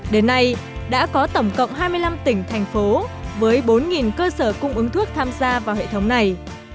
đến nay đã có tổng cộng hai mươi năm tỉnh thành phố với bốn cơ sở cung ứng thuốc tham gia vào hệ thống này